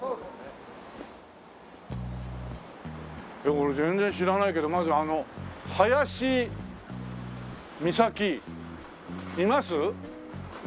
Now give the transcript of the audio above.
俺全然知らないけどまずあの林美沙希います？